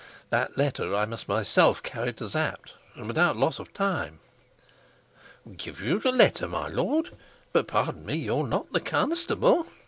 That letter I must myself carry to Sapt, and without loss of time. "Give you the letter, my lord? But, pardon me, you're not the constable."